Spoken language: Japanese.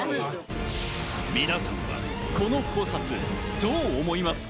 皆さん、この考察どう思いますか？